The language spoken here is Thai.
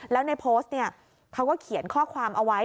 แล้วในโพสต์เนี่ยเขาก็เขียนข้อความเอาไว้